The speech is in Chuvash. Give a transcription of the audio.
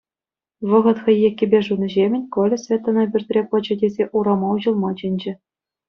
Вӑхӑт хӑй еккипе шунӑҫемӗн Коля Светӑна пӳртре пӑчӑ тесе урама уҫӑлма чӗнчӗ.